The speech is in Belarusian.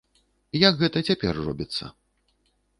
Як гэта цяпер робіцца?